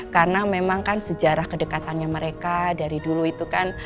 karena memang kan sejarah kedekatannya mereka dari dulu itu kan